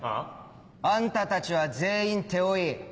あんたたちは全員手負い。